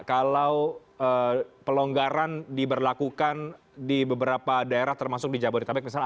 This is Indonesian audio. kalau pelonggaran diberlakukan di beberapa daerah termasuk di jabodetabek misalnya